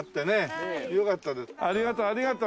ありがとう。